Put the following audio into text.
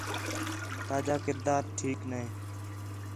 تاجا کردار ٹھیک نے